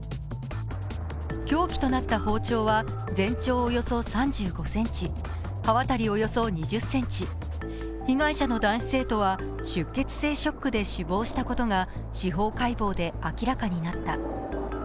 凶器となった包丁は全長およそ３５ｃｍ、刃渡りおよそ２０ｃｍ、被害者の男子生徒は出血性ショックで死亡したことが司法解剖で明らかとなった。